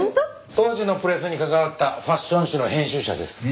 当時のプレスに関わったファッション誌の編集者です。